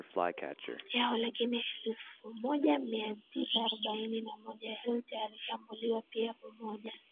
yao lakini mwaka elfu moja mia tisa arobaini na moja Hitler alishambulia pia Umoja